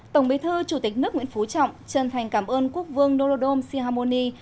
tổng bế thư chủ tịch nước nguyễn phú trọng chân thành cảm ơn quốc vương nolodom sihamoni